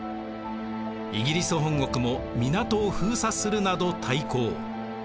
イギリス本国も港を封鎖するなど対抗。